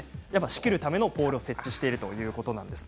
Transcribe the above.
仕切るためのポールを設置しているということなんです。